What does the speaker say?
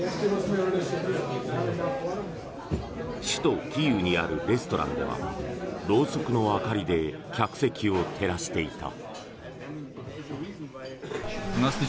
首都キーウにあるレストランではろうそくの明かりで客席を照らしていた。